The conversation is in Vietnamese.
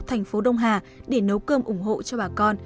thành phố đông hà để nấu cơm ủng hộ cho bà con